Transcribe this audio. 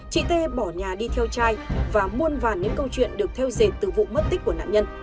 chị tê bỏ nhà đi theo chai và muôn vàn những câu chuyện được theo dệt từ vụ mất tích của nạn nhân